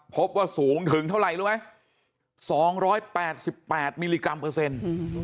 พบว่าสูงถึงเท่าไหร่รู้ไหม๒๘๘มิลลิกรัมเปอร์เซ็นต์